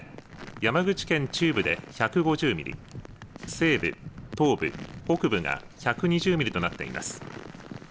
山口県中部で１５０ミリ西部、東部、北部が１２０ミリとなっています。